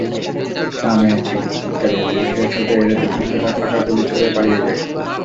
মা-মেয়ের চিৎকারে প্রতিবেশীরা ছুটে এলে দুর্বৃত্তরা ফাঁকা গুলি ছুড়ে পালিয়ে যায়।